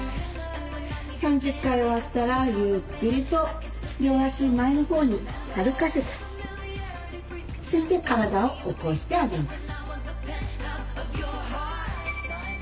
３０回終わったらゆっくりと両足前のほうに歩かせてそして体を起こしてあげます。